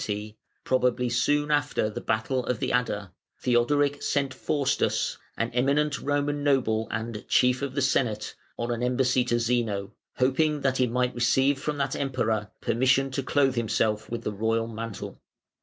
] In the year 490, probably soon after the battle of the Adda, Theodoric sent Faustus, an eminent Roman noble and "Chief of the Senate", on an embassy to Zeno, "hoping that he might receive from that Emperor permission to clothe himself with the royal mantle".